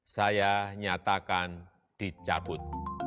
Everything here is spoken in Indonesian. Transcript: saya nyatakan dicabut